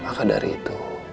maka dari itu